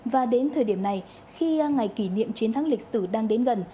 và đến thời điểm này khi ngày kỷ niệm chiến thắng lịch sử đang đến gần